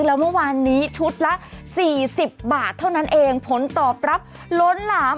แล้วเมื่อวานนี้ชุดละสี่สิบบาทเท่านั้นเองผลตอบรับล้นหลาม